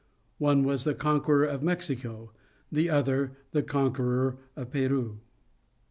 One was the conqueror of Mexico; the other, the conqueror of Peru.